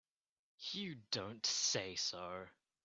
You don't say so!